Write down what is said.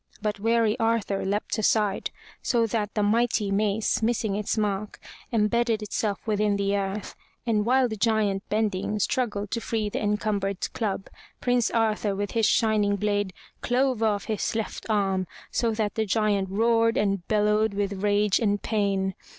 But wary Arthur leapt aside, so that the mighty mace, missing its mark, embedded itself within the earth, and while the giant bending, struggled to free the encumbered club, Prince Arthur with his shining blade, clove off his left arm, so that the Giant roared and bellowed with rage and pain.